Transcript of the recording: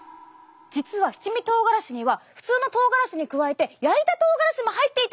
実は七味とうがらしには普通のとうがらしに加えて焼いたとうがらしも入っていたんです！